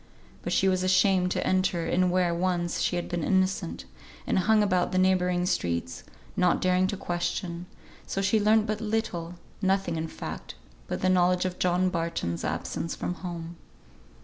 But she was ashamed to enter in where once she had been innocent, and hung about the neighbouring streets, not daring to question, so she learnt but little; nothing in fact but the knowledge of John Barton's absence from home.